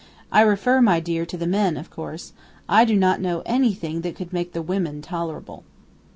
I refer, my dear, to the men, of course. I do not know anything that could make the women tolerable."